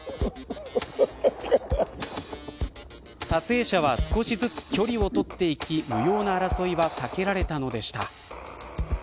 撮影者は少しずつ距離を取っていき無用な争いは避けられたのでした。